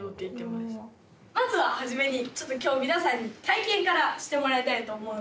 まずは初めにちょっと今日皆さんに体験からしてもらいたいと思うんですけど。